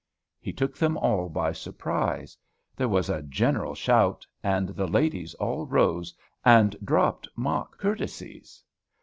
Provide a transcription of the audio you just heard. '" He took them all by surprise. There was a general shout; and the ladies all rose, and dropped mock courtesies.